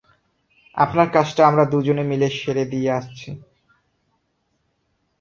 আপনার কাজটা আমরা দুজনে মিলে সেরে দিয়ে আসছি।